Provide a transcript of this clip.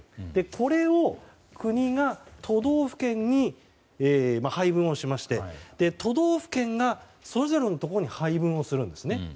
これを国が都道府県に配分をしまして都道府県が、それぞれのところに配分をするんですね。